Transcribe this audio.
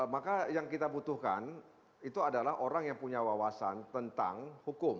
maka yang kita butuhkan itu adalah orang yang punya wawasan tentang hukum